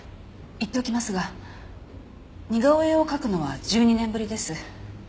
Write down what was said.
言っておきますが似顔絵を描くのは１２年ぶりです。